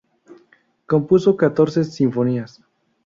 Compuso catorce sinfonías.